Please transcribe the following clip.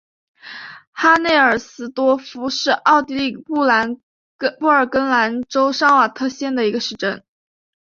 哈内尔斯多夫是奥地利布尔根兰州上瓦特县的一个市镇。